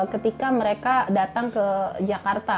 ketika mereka datang ke jakarta